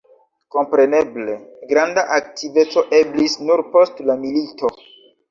Kompreneble, granda aktiveco eblis nur post la milito.